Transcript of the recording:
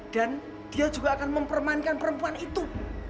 dan dia juga akan mempermainkan perempuan itu